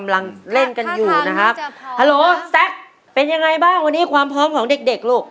กำลังเล่นกันอยู่นะครับฮัลโหลแซคเป็นยังไงบ้างวันนี้ความพร้อมของเด็กเด็กลูก